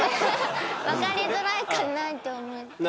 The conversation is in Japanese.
分かりづらいかなと思って。